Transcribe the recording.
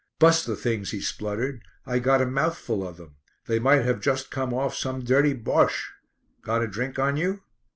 "Bust the things!" he spluttered. "I got a mouthful of them! They might have just come off some dirty Bosche. Got a drink on you?"